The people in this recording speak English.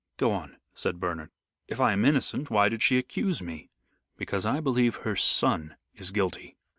"Go on," said Bernard. "If I am innocent, why did she accuse me?" "Because I believe her son is guilty.